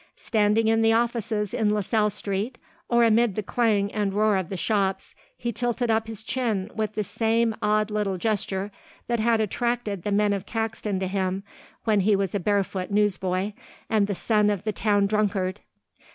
Standing in the offices in LaSalle Street or amid the clang and roar of the shops he tilted up his chin with the same odd little gesture that had attracted the men of Caxton to him when he was a barefoot newsboy and the son of the town drunkard.